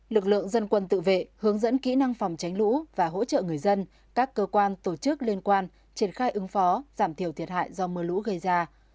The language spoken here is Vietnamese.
lực lượng dân quân tự vệ hướng dẫn kỹ năng phòng tránh lũ và hỗ trợ người dân các cơ quan tổ chức liên quan triển khai ứng phó giảm thiểu thiệt hại do mưa lũ gây ra